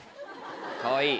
かわいい。